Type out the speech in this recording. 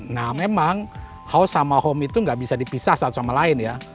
nah memang house sama home itu nggak bisa dipisah satu sama lain ya